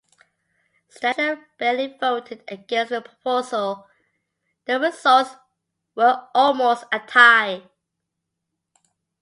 Stettler barely voted against the proposal, the results were almost a tie.